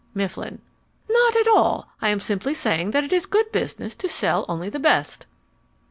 MIFFLIN Not at all. I am simply saying that it is good business to sell only the best.